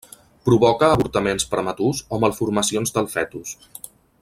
Provoca avortaments prematurs o malformacions del fetus.